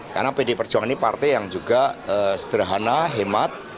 karena pdi perjuangan ini partai yang juga sederhana hemat